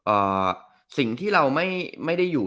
เอ่อสิ่งที่เราไม่ได้อยู่